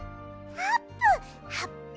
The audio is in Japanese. あーぷん！